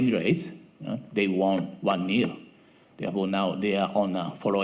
mereka juga bisa bermain di stadion rumah